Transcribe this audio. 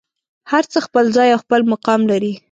هر څه خپل ځای او خپل مقام لري.